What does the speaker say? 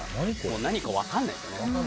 何か分からないですね。